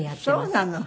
そうなの！